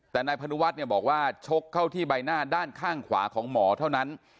แต่นายพนุวัฒน์เนี่ยบอกว่าชกเข้าที่ใบหน้าด้านข้างขวาของหมอเท่านั้น